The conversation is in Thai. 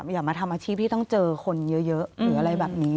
อย่ามาทำอาชีพที่ต้องเจอคนเยอะหรืออะไรแบบนี้